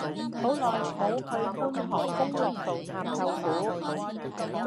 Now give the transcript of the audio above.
好耐無去觀塘功樂道探舅父